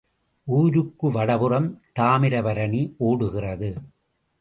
ஊருக்கு வடபுறம் தாமிரபரணி ஓடுகிறது.